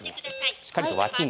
しっかりとわきに。